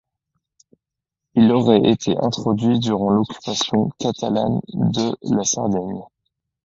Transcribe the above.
Il aurait été introduit durant l'occupation catalan de la Sardaigne.